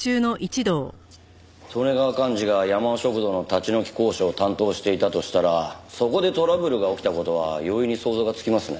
利根川寛二がやまお食堂の立ち退き交渉を担当していたとしたらそこでトラブルが起きた事は容易に想像がつきますね。